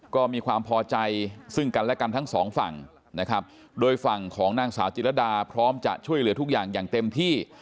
ก็มีความพอใจซึ่งกันและกันทั้งสองฝั่งนะครับโดยฝั่งของนางสาวจิรดาพร้อมจะช่วยเหลือทุกอย่างอย่างเต็มที่